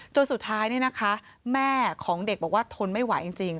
จนสุดท้ายเนี่ยนะคะแม่ของเด็กบอกว่าทนไม่ไหวจริง